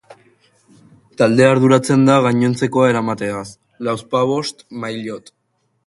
Taldea arduratzen da gainontzekoa eramateaz, lauzpabost maillot.